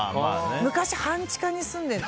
昔、半地下に住んでて。